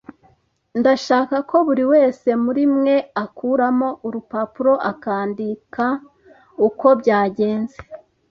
Ndashaka ko buri wese muri mwe akuramo urupapuro akandika uko byagenze.